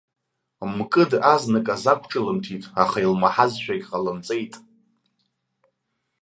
Мкыд азныказы ақәҿылымҭит, аха илмаҳазшәагьы ҟалымҵеит.